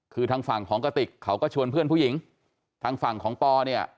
คือทางฝั่งของกระติกเขาก็ชวนเพื่อนผู้หญิงทางฝั่งของปอเนี่ย